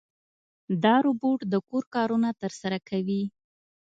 دا روبوټ د کور کارونه ترسره کوي.